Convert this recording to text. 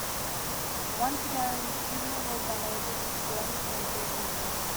Once again, Tyrrell were unable to score any points all season.